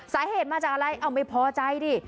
สาเหตุมาจากอะไรเอาไม่พอใจดิ